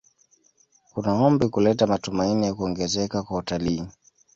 Kuna ombi kuleta matumaini ya kuongezeka kwa utalii